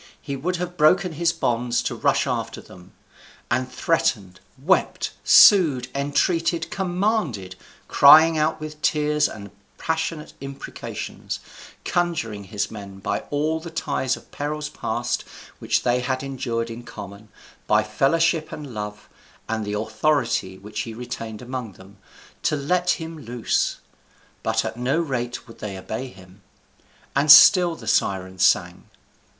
He would have broken his bonds to rush after them; and threatened, wept, sued, entreated, commanded, crying out with tears and passionate imprecations, conjuring his men by all the ties of perils past which they had endured in common, by fellowship and love, and the authority which he retained among them, to let him loose; but at no rate would they obey him. And still the Sirens sang.